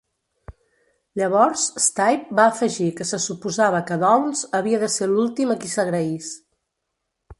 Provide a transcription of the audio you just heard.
Llavors, Stipe va afegir que se suposava que Downs havia de ser l'últim a qui s'agraís.